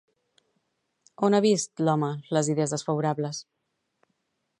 On ha vist, l'home, les idees desfavorables?